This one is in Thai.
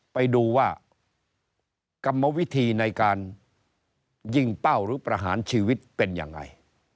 ไปดูว่ากรรมวิธีในการยิงเป้าหรือประหารชีวิตเป็นยังไง